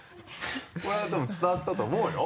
これは多分伝わったと思うよ。